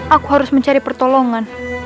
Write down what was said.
aku harus mencari pertolongan